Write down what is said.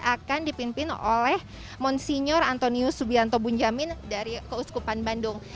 akan dipimpin oleh monsenyor antonius subianto bunjamin dari keuskupan bandung